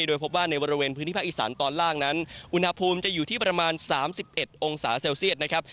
โดยพบว่าในบริเวณพื้นที่ภาคอีสานตอนล่างนั้นอุณหภูมิจะอยู่ที่ประมาณ๓๑องศาเซลเซียตนะครับ